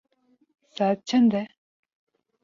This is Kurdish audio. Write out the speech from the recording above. Saet çend e?